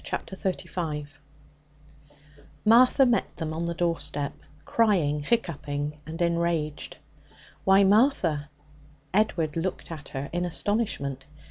Chapter 35 Martha met them on the doorstep, crying, hiccoughing, and enraged. 'Why, Martha!' Edward looked at her in astonishment.